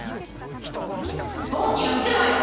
大きなお世話よ！